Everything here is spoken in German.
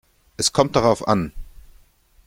Es kommt darauf an.